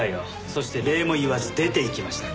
そして礼も言わず出て行きました。